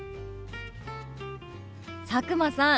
佐久間さん